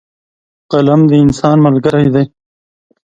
قلم د انسان ملګری دی.